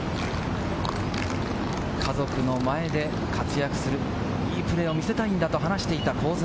家族の前で活躍する、いいプレーを見せたいんだと話していた香妻